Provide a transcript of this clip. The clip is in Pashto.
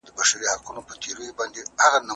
عمر د غلام دغه بېساري سخاوت ته ډېر حیران پاتې شو.